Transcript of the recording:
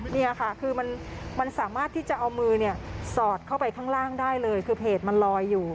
นี่ค่ะคือมันสามารถที่จะเอามือเนี่ยสอดเข้าไปข้างล่างได้เลยคือเพจมันลอยอยู่